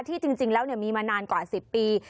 จริงแล้วมีมานานกว่า๑๐ปี